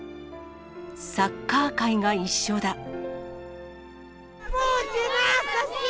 サッカー界が一緒だ。